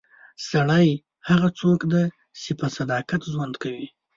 سړی هغه څوک دی چې په صداقت ژوند کوي.